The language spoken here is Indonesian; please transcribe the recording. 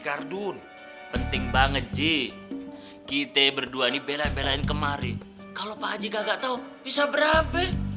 kardun penting banget ji kita berdua ini bela belain kemarin kalau pak haji gak tau bisa berapa